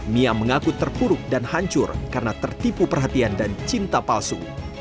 mia mengaku terpuruk dan hancur karena tertipu perhatian dan cinta palsu